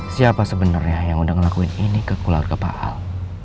siapa sebenernya yang udah ngelakuin ini ke kulau ruka paal